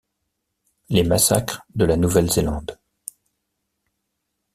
Les massacres de la Nouvelle-Zélande